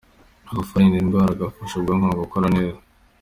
Amafi arinda indwara agafasha ubwonko gukora neza.